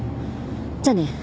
じゃあね。